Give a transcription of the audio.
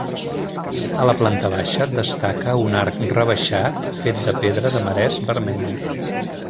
A la planta baixa destaca un arc rebaixat fet de pedra de marès vermella.